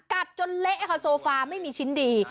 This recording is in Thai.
กัดจนเละค่ะโซฟาไม่มีชิ้นดี